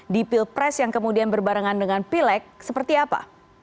di pilpres yang kemudian berbarengan dengan pileg seperti apa